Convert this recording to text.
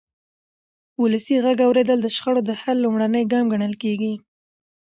ولسي غږ اورېدل د شخړو د حل لومړنی ګام ګڼل کېږي